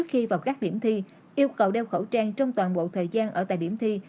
khi vào các điểm thi yêu cầu đeo khẩu trang trong toàn bộ thời gian ở tại điểm thi